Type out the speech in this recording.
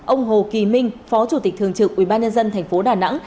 ông hồ kỳ minh phó chủ tịch thường trực ubnd thành phố đà nẵng